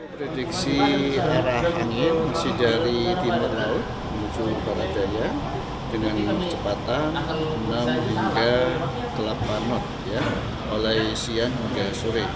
prediksi angin dari timur laut menuju barat daya dengan kecepatan enam hingga delapan knot oleh siang hingga sore